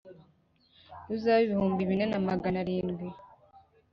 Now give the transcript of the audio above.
ruzabe ibihumbi bine na Magana arindwi